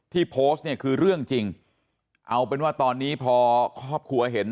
ที่โพสต์เนี่ยคือเรื่องจริงเอาเป็นว่าตอนนี้พอครอบครัวเห็น